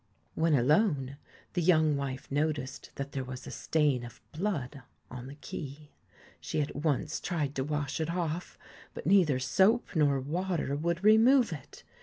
When alone, the young wife noticed that there was a stain of blood on the key. She at once tried to wash it off, but neither soap nor water would remove it.